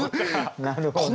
なるほど。